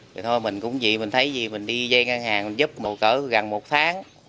thì thôi mình cũng gì mình thấy gì mình đi dây ngang hàng giúp một cỡ gần một tháng